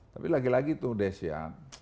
tapi lagi lagi tuh des ya